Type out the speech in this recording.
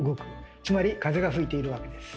つまり風が吹いているわけです。